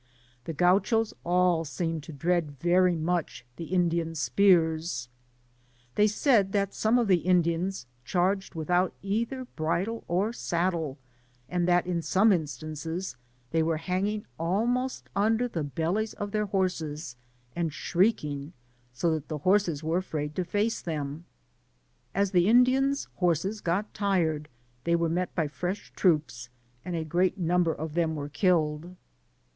The Gauchos all seemed to dread very much the Indians^ spears. They said that some of the Indians charged without either bridle or saddle^ and that in some instances they were hanging almost under the bellies of their horses, and shrieking, so that the horses were afraid to face them. As the Indians^ horses got tired, they were met by fresh troops, and a great number of them were killed.